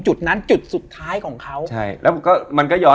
หนักเลย